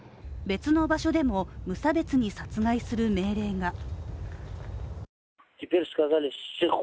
別の場所でも、無差別に殺害する命令が。